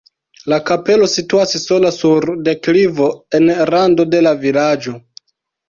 La kapelo situas sola sur deklivo en rando de la vilaĝo.